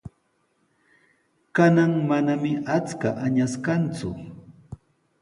Kanan mananami achka añas kanku.